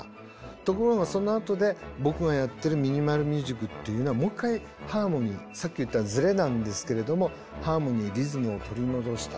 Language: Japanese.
ところがそのあとで僕がやってるミニマル・ミュージックっていうのはもう一回ハーモニーさっき言ったズレなんですけれどもハーモニーリズムを取り戻した。